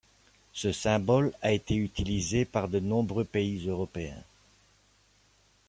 Ce symbole a été utilisé par de nombreux pays européens.